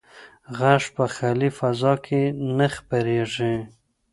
غږ په خالي فضا کې نه خپرېږي.